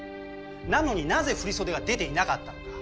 なのになぜ振り袖が出ていなかったのか。